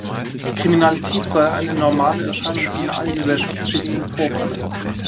Kriminalität sei eine „normale“ Erscheinung, die in allen Gesellschaftsschichten vorkomme.